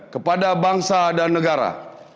kepada bangsa dan negara